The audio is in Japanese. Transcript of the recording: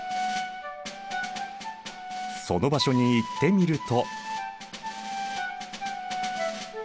その場所に行ってみると。